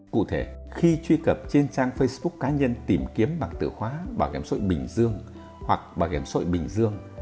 cụ thể khi truy cập trên trang facebook cá nhân tìm kiếm bằng tự khóa bảo hiểm sội bình dương hoặc bảo hiểm sội bình dương